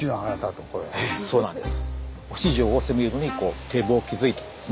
ええそうなんです。